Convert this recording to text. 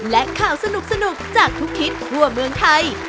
และข่าวสนุกจากทุกทิศทั่วเมืองไทย